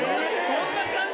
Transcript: そんな感じ？